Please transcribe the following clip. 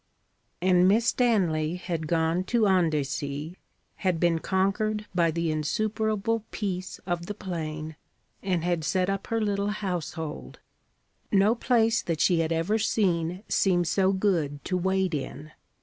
And Miss Stanley had gone to Andecy, had been conquered by the insuperable peace of the plain, and had set up her little household. No place that she had ever seen seemed so good to wait in.